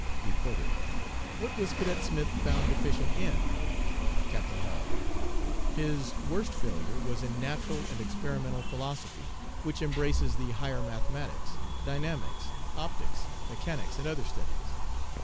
"REPORTER 'What was Cadet Smith found deficient in?' "CAPTAIN HALL 'HIS worst failure was in natural and experimental philosophy, which embraces the higher mathematics, dynamics, optics, mechanics, and other studies.